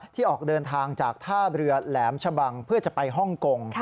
ออกเดินทางจากท่าเรือแหลมชะบังเพื่อจะไปฮ่องกง